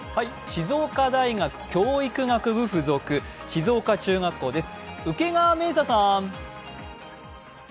静岡大学教育学部附属静岡中学校です。